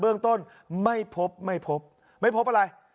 เรื่องต้นไม่พบไม่พบไม่พบอะไร